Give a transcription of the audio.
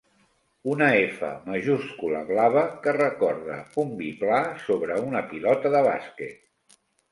Una "F" majúscula blava que recorda un biplà sobre una pilota de bàsquet.